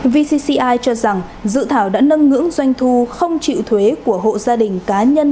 vcci cho rằng dự thảo đã nâng ngưỡng doanh thu không chịu thuế của hộ gia đình cá nhân